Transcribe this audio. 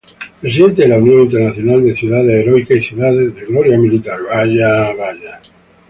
Presidente de la Unión Internacional de ciudades heroicas y ciudades de gloria militar.